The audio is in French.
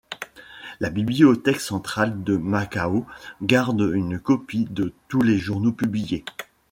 La bibliothèque centrale de Macao garde une copie de tous les journaux publiés.